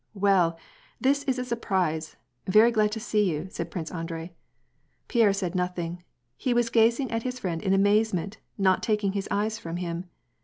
" Well, this is a surprise ; very glad to see you," said Prince Andrei. Pierre said nothing ; he was gazing at his friend in amazement, not taking his eyes from him.